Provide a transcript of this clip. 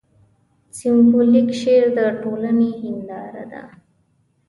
سېمبولیک شعر د ټولنې هینداره ده.